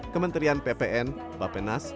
kementerian ppn bapenas